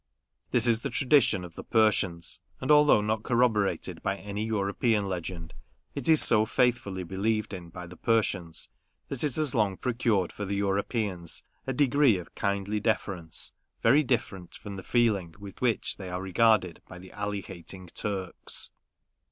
This is the tradition of the Persians ; and although not corroborated by any European legend, it is so faithfully believed in by the Persians, that it has long procured for the Europeans a degree of kindly deference, very different from the feeling with which they are regarded by the Ali hating Turks.